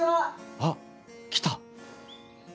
・あっ来た。